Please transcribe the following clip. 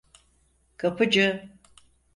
Kapıcı…